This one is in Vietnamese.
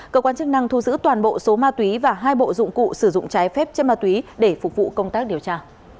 cơ quan chức năng thu giữ toàn bộ số ma túy và hai bộ dụng cụ sử dụng trái phép chất ma túy để phục vụ công tác điều tra